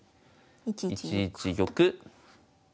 １一玉。